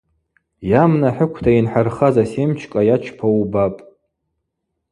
Йамна хӏыквта йынхӏырхаз асемчкӏа йачпауа убапӏ.